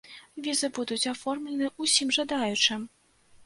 Візы будуць аформлены ўсім жадаючым!